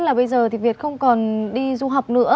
là bây giờ thì việt không còn đi du học nữa